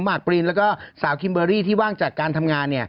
หกปรินแล้วก็สาวคิมเบอรี่ที่ว่างจากการทำงาน